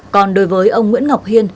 còn đối với ông nguyễn ngọc hiên